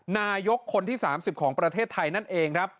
นายกคนที่๓๐ของประเทศไทยนั่นเองครับ